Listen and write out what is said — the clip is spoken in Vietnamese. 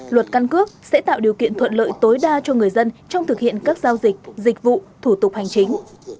luật căn cước sẽ tạo điều kiện thuận lợi tối đa cho người dân trong thực hiện các giao dịch dịch vụ thủ tục hành chính